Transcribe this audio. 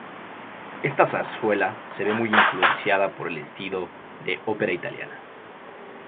Esta zarzuela se ve muy influenciada por el estilo de ópera italiana.